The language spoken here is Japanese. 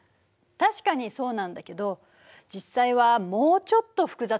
確かにそうなんだけど実際はもうちょっと複雑なのよ。